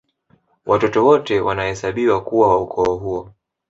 Watoto wote wanahesabiwa kuwa wa ukoo huo